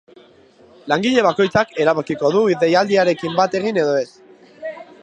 Langile bakoitzak erabakiko du deialdiarekin bat egin edo ez.